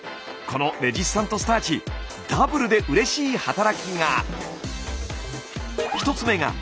このレジスタントスターチダブルでうれしい働きが。